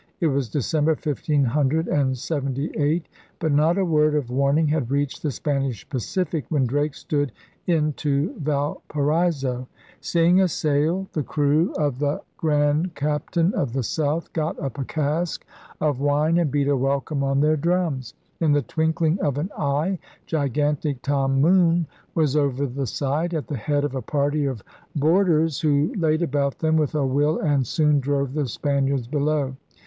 It was December, 1578; but not a word of warn ing had reached the Spanish Pacific when Drake stood in to Valparaiso. Seeing a sail, the crew * ENCOMPASSMENT OF ALL THE WORLDE ' 129 of the Grand Captain of the South got up a cask of wine and beat a welcome on their drums. In the twinkling of an eye gigantic Tom Moone was over the side at the head of a party of board ers who laid about them with a will and soon drove the Spaniards below.